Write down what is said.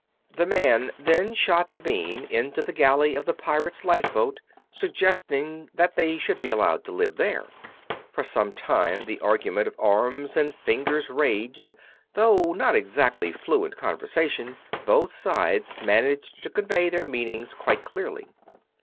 The man then shot the beam into the galley of the pirate's lifeboat, suggesting that they should be allowed to live there. For some time the argument of arms and fingers raged though not exactly fluent conversation, both sides managed to convey their meanings quite clearly.